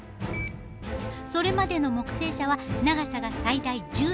それまでの木製車は長さが最大１７メートル。